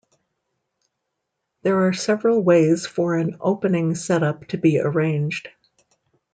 There are several ways for an opening setup to be arranged.